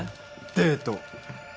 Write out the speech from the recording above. デート。